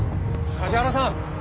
梶原さん！